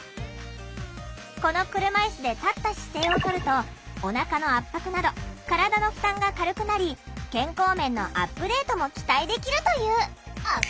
この車いすで立った姿勢をとるとおなかの圧迫など体の負担が軽くなり健康面のアップデートも期待できるという。